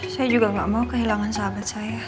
saya juga gak mau kehilangan sahabat saya